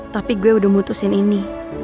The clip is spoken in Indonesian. tapi gue udah mutusin ini